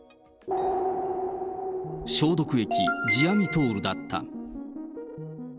消毒液、ヂアミトールだった。